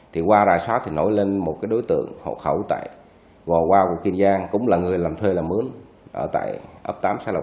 thì qua ra xót thì nổi lên một cái đối tượng hộ khẩu tại vò hoa của kinh giang cũng là người làm thuê làm mướn ở tại ấp tám